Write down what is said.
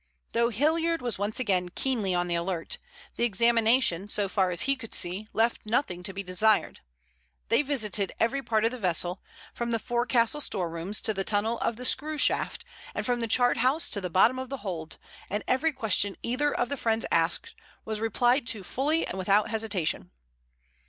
Though Hilliard was once again keenly on the alert, the examination, so far as he could see, left nothing to be desired. They visited every part of the vessel, from the forecastle storerooms to the tunnel of the screw shaft, and from the chart house to the bottom of the hold, and every question either of the friends asked was replied to fully and without hesitation.